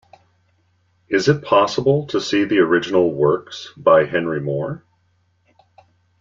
Is it possible to see the original works by Henry Moore?